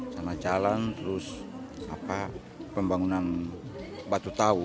sama jalan terus pembangunan batu tau